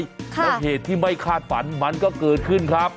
แล้วเหตุที่ไม่คาดฝันมันก็เกิดขึ้นครับ